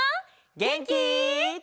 げんき？